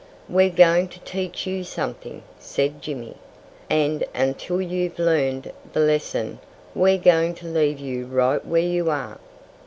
"We're going to teach you something," said Jimmy. "And until you've learned the lesson, we're going to leave you right where you are."